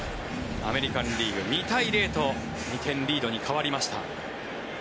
アメリカン・リーグ、２対０と２点リードに変わりました。